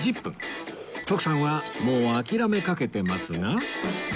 徳さんはもう諦めかけてますが